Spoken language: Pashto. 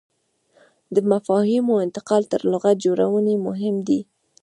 د مفاهیمو انتقال تر لغت جوړونې مهم دی.